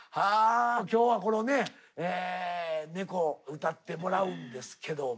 今日はこのね「猫」歌ってもらうんですけども。